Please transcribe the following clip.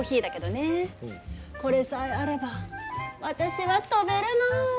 これさえあれば私は飛べるの。